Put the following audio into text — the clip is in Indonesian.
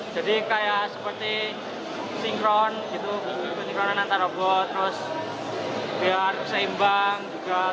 jadi kayak seperti sinkron gitu sinkronan antar robot terus biar seimbang